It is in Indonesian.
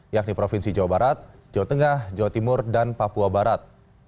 yakni provinsi jawa barat jawa tengah jawa timur dan papua barat